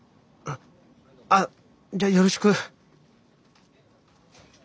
あっじゃあよろしく。